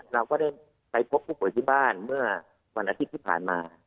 เราก็ได้ไปพบผู้ป่วยที่บ้านเมื่อวันอาทิตย์ที่ผ่านมา